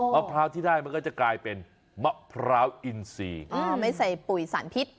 พร้าวที่ได้มันก็จะกลายเป็นมะพร้าวอินซีไม่ใส่ปุ๋ยสารพิษ